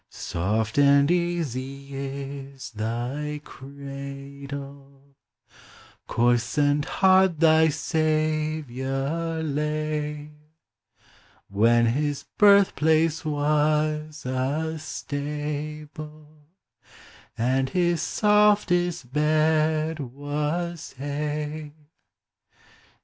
Soft and easy is thy cradle : Coarse and hard thy Saviour lay: When his birthplace was a stable, And his softest bed was hay.